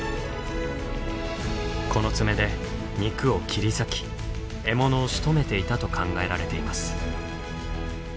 この爪で肉を切り裂き獲物をしとめていたと考えられています。